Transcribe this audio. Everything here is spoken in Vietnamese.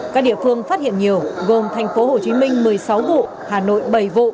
các địa phương phát hiện nhiều gồm thành phố hồ chí minh một mươi sáu vụ hà nội bảy vụ